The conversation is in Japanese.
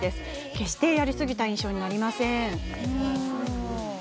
決してやりすぎた印象にはなりません。